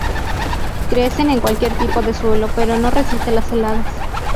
Crecen en cualquier tipo de suelo, pero no resiste las heladas.